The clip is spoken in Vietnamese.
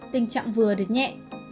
tình trạng vừa đến nhẹ